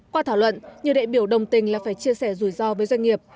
qua thảo luận nhiều đại biểu đồng tình là phải chia sẻ rủi ro với doanh nghiệp